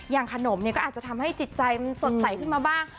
ขนมเนี่ยก็อาจจะทำให้จิตใจมันสดใสขึ้นมาบ้าง